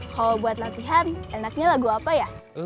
kalau buat latihan enaknya lagu apa ya